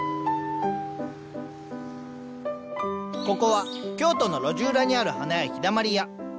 ここは京都の路地裏にある花屋「陽だまり屋」。